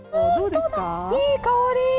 いい香り！